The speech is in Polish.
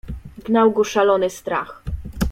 "Gnał go szalony strach."